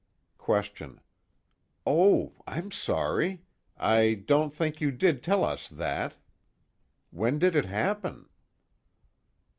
QUESTION: Oh. I'm sorry, I don't think you did tell us that. When did it happen?